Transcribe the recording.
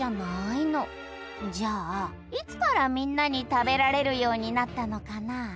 じゃあいつからみんなに食べられるようになったのかな？